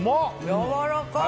やわらかい！